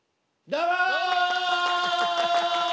どうも！